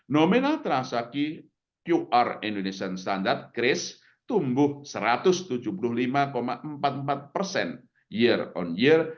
nominal transaksi qr indonesian standard cris tumbuh satu ratus tujuh puluh lima empat puluh empat persen year on year